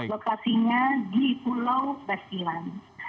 lokasinya di pulau basilan